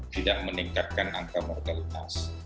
tidak meningkatkan angka mortalitas